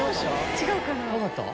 違うかな？